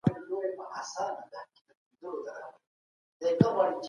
آیا د کورنیو انحلال د ټولنيز انډول په جوړښت کي بدلون لامل کیږي؟